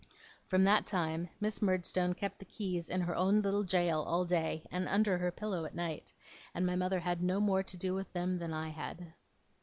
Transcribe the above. From that time, Miss Murdstone kept the keys in her own little jail all day, and under her pillow all night, and my mother had no more to do with them than I had.